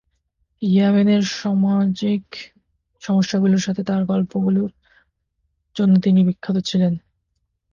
ইয়েমেনের সামাজিক সমস্যাগুলির সাথে তার গল্পগুলির জন্য তিনি বিখ্যাত ছিলেন।